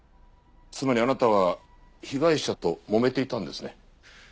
つまりあなたは被害者ともめていたんですね？